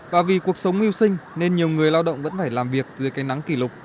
và vì cuộc sống yêu sinh nên nhiều người lao động vẫn phải làm việc dưới cây nắng kỷ lục